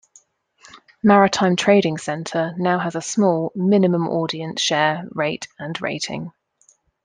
Maritime Trading Center now has a small, minimal audience share, rate, and rating.